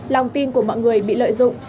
lòng tin của mọi người bị lợi dụng